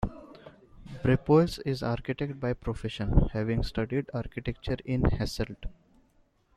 Brepoels is architect by profession, having studied architecture in Hasselt.